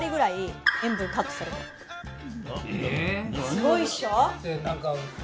すごいっしょ？